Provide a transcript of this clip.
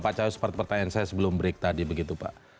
pak caho seperti pertanyaan saya sebelum break tadi begitu pak